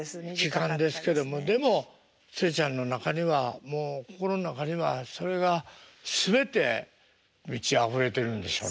でもツレちゃんの中にはもう心の中にはそれが全て満ちあふれてるんでしょうね。